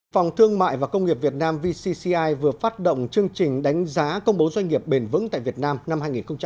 phòng thương mại và công nghiệp việt nam vcci vừa phát động chương trình đánh giá công bố doanh nghiệp bền vững tại việt nam năm hai nghìn hai mươi